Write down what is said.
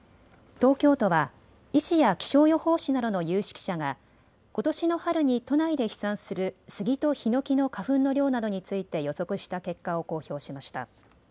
東京都は医師や気象予報士などの有識者がことしの春に都内で飛散するスギとヒノキの花粉の量などについて予測した結果を公表しました。